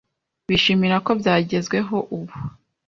Bishimira ko byagezweho ubu